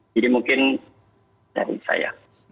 jadi mungkin dari saya